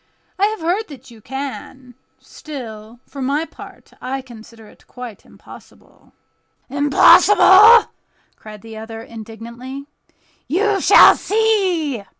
I have heard that you can; still, for my part, I consider it quite impossible." "Impossible!" cried the other, indignantly. "You shall see!"